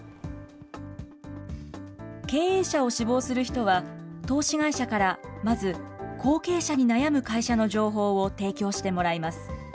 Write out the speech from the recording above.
経営者を志望する人は、投資会社から、まず後継者に悩む会社の情報を提供してもらいます。